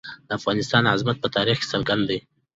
د افغانستان عظمت په تاریخ کې څرګند دی.